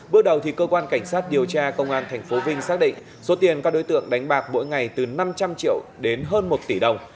bước đầu cơ quan cảnh sát điều tra công an tp vinh xác định số tiền các đối tượng đánh bạc mỗi ngày từ năm trăm linh triệu đến hơn một tỷ đồng